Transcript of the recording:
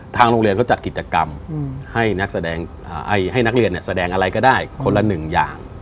ทางโรงเรียนเขาจัดกิจกรรมให้นักแสดงให้นักเรียนแสดงอะไรก็ได้คนละหนึ่งอย่าง